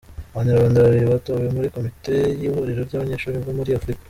Abanyarwanda Babiri batowe muri komite y’ihuriro ry’abanyeshuri bo muri Afurika